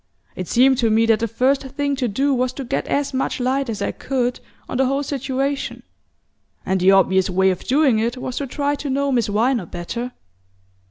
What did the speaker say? It seemed to me that the first thing to do was to get as much light as I could on the whole situation; and the obvious way of doing it was to try to know Miss Viner better.